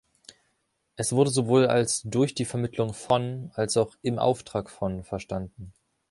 Es wurde sowohl als „durch die Vermittlung von“ als auch „im Auftrag von“ verstanden.